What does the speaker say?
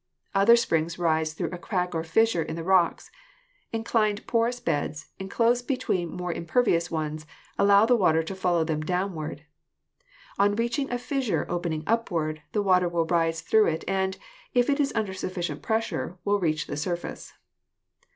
Other springs rise through a crack or fissure in the rocks. Inclined porous beds, enclosed between more im pervious ones, allow the water to follow them downward. On reaching a fissure opening upward, the water will rise Fig. 20 — Gushing Spring. Fig. 21 — Flowing Spring. through it and, if it is under sufficient pressure, will reach the surface.